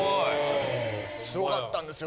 すごかったんですよ。